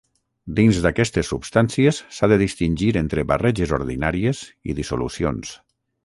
Dins d'aquestes substàncies s'ha de distingir entre barreges ordinàries i dissolucions.